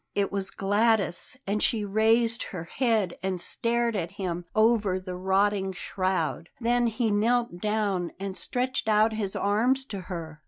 It was Gladys; and she raised her head and stared at him over the rotting shroud. Then he knelt down and stretched out his arms to her.